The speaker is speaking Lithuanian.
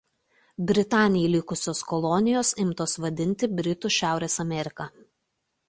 Britanijai likusios kolonijos imtos vadinti Britų Šiaurės Amerika.